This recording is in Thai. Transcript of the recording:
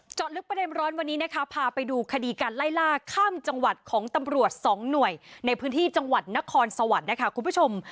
เจาะลึกประเด็นร้อนวันนี้นะคะพาไปดูคดีการไล่ล่าข้ามจังหวัดของตำรวจสองหน่วยในพื้นที่จังหวัดนครสวรรค์นะคะคุณผู้ชม